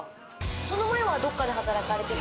その前はどっかで働かれてた。